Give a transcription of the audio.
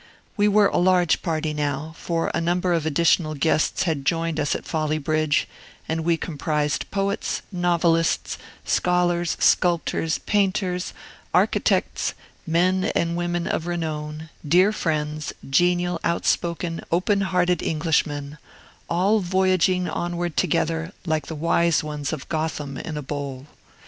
We were a large party now; for a number of additional guests had joined us at Folly Bridge, and we comprised poets, novelists, scholars, sculptors, painters, architects, men and women of renown, dear friends, genial, outspoken, open hearted Englishmen, all voyaging onward together, like the wise ones of Gotham in a bowl.